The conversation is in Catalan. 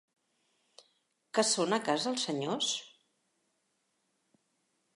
Que són a casa, els senyors?